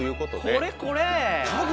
これこれ！